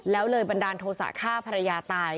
แล้วเลยบันดาลโทษะฆ่าภรรยาตาย